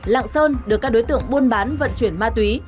lạng sơn được các đối tượng buôn bán vận chuyển ma túy